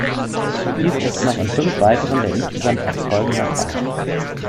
Dies ist noch in fünf weiteren der insgesamt acht Folgen der Fall.